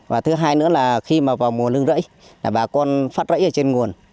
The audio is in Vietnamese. và thứ hai nữa là khi mà vào mùa lưng rẫy là bà con phát rẫy ở trên nguồn